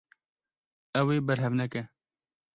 Ew ê berhev neke.